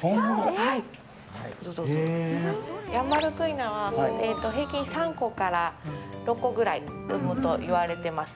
ヤンバルクイナは平均３個から６個ぐらい産むといわれています。